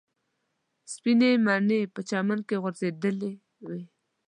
سپینې مڼې په چمن کې راغورځېدلې وې.